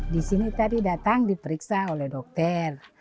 di sini tadi datang diperiksa oleh dokter